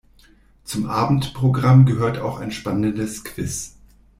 Zum Abendprogramm gehört auch ein spannendes Quiz.